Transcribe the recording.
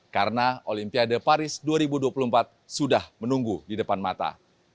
karena olimpiade paris dua ribu dua puluh empat sudah menunggu di depan mata